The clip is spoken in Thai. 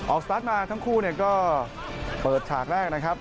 สตาร์ทมาทั้งคู่ก็เปิดฉากแรกนะครับ